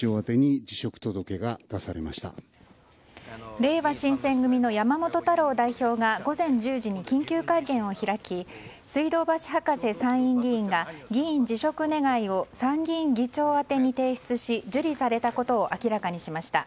れいわ新選組の山本太郎代表が午前１０時に緊急会見を開き水道橋博士参議院議員が議員辞職願を参議院議長宛てに提出し受理されたことを明らかにしました。